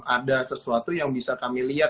ada sesuatu yang bisa kami lihat